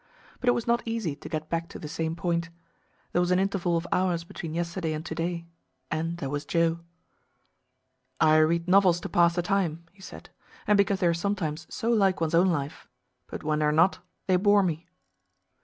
But it was not easy to get back to the same point. There was an interval of hours between yesterday and to day and there was Joe. "I read novels to pass the time," he said, "and because they are sometimes so like one's own life. But when they are not, they bore me."